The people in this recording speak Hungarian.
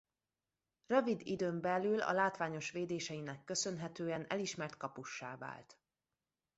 Rövid időn belül a látványos védéseinek köszönhetően elismert kapussá vált.